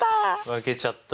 負けちゃった。